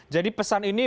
jadi pesan ini